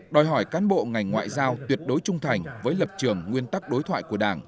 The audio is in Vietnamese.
đòi hỏi cán bộ ngành ngoại giao tuyệt đối trung thành với lập trường nguyên tắc đối thoại của đảng